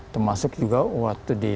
termasuk juga waktu di